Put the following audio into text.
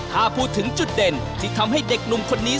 ถ้าพูดถึงจุดเด่นที่ทำให้เด็กหนุ่มคนนี้